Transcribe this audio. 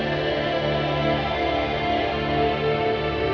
sekian pengarahan dari saya